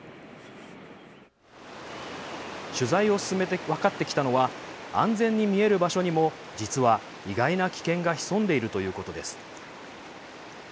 取材を進めて分かってきたのは安全に見える場所にも実は意外な危険が潜んでいるということです。